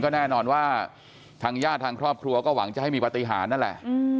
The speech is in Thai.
แน่นอนว่าทางญาติทางครอบครัวก็หวังจะให้มีปฏิหารนั่นแหละ